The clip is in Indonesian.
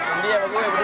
india bagaimana berdua